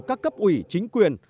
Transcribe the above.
các cấp ủy chính quyền